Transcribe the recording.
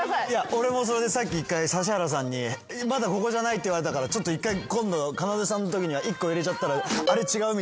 俺もそれでさっき１回指原さんに「まだここじゃない」って言われたからちょっと１回今度かなでさんのときには１個入れちゃったら。